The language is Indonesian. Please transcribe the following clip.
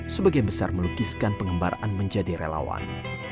sebagian besar melukiskan pengembaraan menjadi relawan